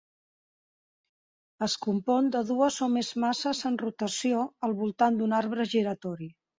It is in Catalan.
Es compon de dues o més masses en rotació al voltant d'un arbre giratori.